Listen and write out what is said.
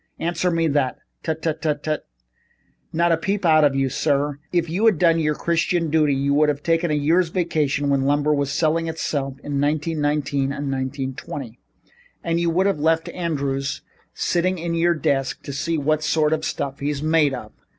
Answer me that. Tut, tut, tut! Not a peep out of you, sir. If you had done your Christian duty, you would have taken a year's vacation when lumber was selling itself in 1919 and 1920, and you would have left Andrews sitting in at your desk to see the sort of stuff he's made of."